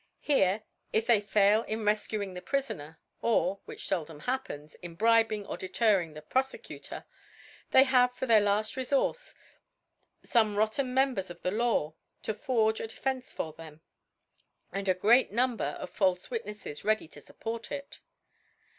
Here, if theyfiwl in refcuing the Prifoner, or (which feldom happens) in bribing or deterring the Profe cutor, they have for their laiT Refourcefomc rotten Members of the Law to forge a De fence for them, and a great Number of falfe Witneffes ready to fupport it.